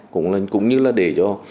cũng như là để cho